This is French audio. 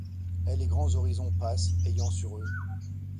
Et les grands horizons passent, . ayant sur eux